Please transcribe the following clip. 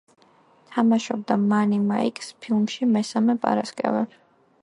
თამაშობდა მანი მაიკს ფილმში „მესამე პარასკევი“.